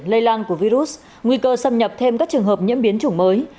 lây lan của virus nguy cơ xâm nhập thêm các trường hợp nhiễm biến chủng mới